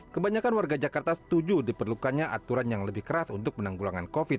kebanyakan warga jakarta setuju diperlukannya aturan yang lebih keras untuk penanggulangan covid sembilan belas